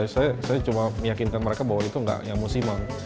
saya cuma meyakinkan mereka bahwa itu nggak yang musiman